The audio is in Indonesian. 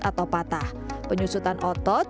atau patah penyusutan otot